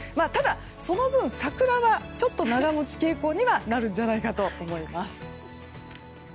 ただ、その分、桜はちょっと長持ち傾向にはなるんじゃないかと思います。